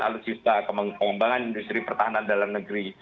alutsista pengembangan industri pertahanan dalam negeri